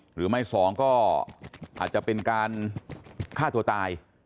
หรือไม่สองก็อาจจะเป็นการฆ่าตัวตาย